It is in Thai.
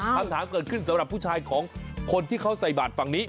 คำถามเกิดขึ้นสำหรับผู้ชายของคนที่เขาใส่บาทฝั่งนี้